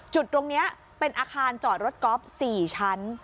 จุดตรงนี้เป็นอาคารจอดรถกอล์ฟ๔ชั้น